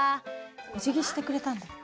おじぎしてくれたんだ。